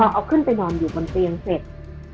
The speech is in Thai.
เอาขึ้นไปนอนอยู่บนเตียงเสร็จ